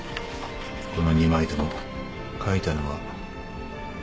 この２枚とも描いたのは堂本真矢だ。